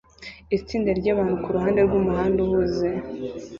Itsinda ryabantu kuruhande rwumuhanda uhuze